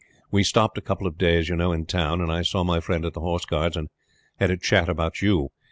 We stopped a couple of days, you know, in town, and I saw my friend at the Horse Guards, and had a chat about you.